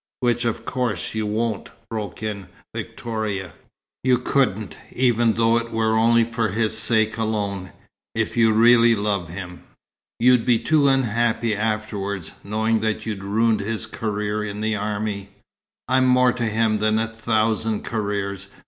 "Which, of course, you won't," broke in Victoria. "You couldn't, even though it were only for his sake alone, if you really love him. You'd be too unhappy afterwards, knowing that you'd ruined his career in the army." "I'm more to him than a thousand careers!"